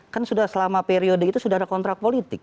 kan sudah selama periode itu sudah ada kontrak politik